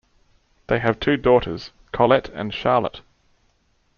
They have two daughters, Colette and Charlotte.